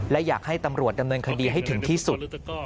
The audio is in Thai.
และอยากให้ตำรวจดำเนินคดีให้ถึงที่สุด